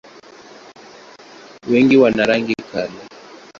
Wengi wana rangi kali.